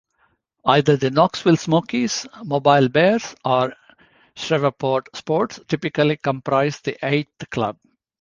Either the Knoxville Smokies, Mobile Bears, or Shreveport Sports typically comprised the eighth club.